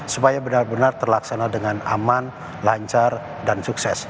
supaya benar benar terlaksana dengan aman lancar dan sukses